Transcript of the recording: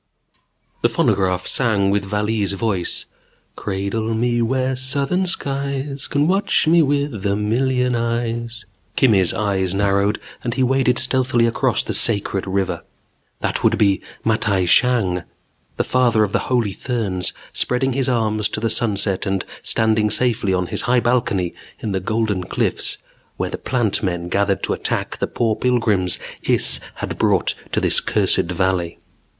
__The phonograph sang with Vallee's voice: "Cradle me where southern skies can watch me with a million eyes " Kimmy's eyes narrowed and he waded stealthily across the sacred river. That would be Matai Shang, the Father of Holy Therns spreading his arms to the sunset and standing safely on his high balcony in the Golden Cliffs while the Plant Men gathered to attack the poor pilgrims Iss had brought to this cursed valley.